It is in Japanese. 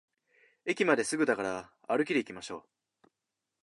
駅まですぐだから歩きでいきましょう